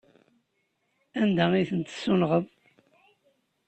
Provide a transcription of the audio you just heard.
Anda ay ten-tessunɣeḍ?